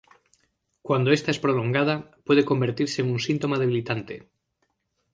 Cuando esta es prolongada, puede convertirse en un síntoma debilitante.